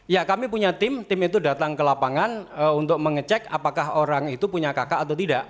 ya kami punya tim tim itu datang ke lapangan untuk mengecek apakah orang itu punya kakak atau tidak